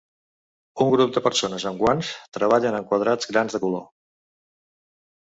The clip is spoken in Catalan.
Un grup de persones amb guants treballen en quadrats grans de color.